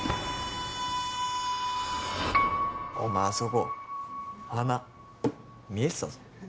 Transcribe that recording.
お前あそこ鼻見えてたぞ。